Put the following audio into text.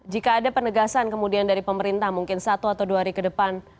jika ada penegasan kemudian dari pemerintah mungkin satu atau dua hari ke depan